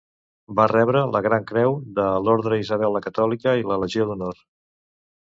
Va rebre la gran creu de l'Orde d'Isabel la Catòlica i la Legió d'Honor.